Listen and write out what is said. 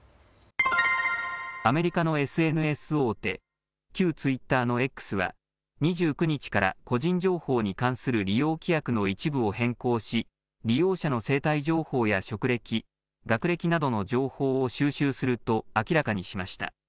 アメリカのＳＮＳ大手、旧ツイッターのＸは２９日から個人情報に関する利用規約の一部を変更し利用者の生体情報や職歴、学歴などの情報を収集すると明らかにしました。